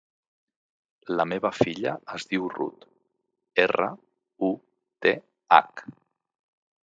La meva filla es diu Ruth: erra, u, te, hac.